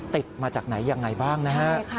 ติดมาจากไหนอย่างไรบ้างนะครับ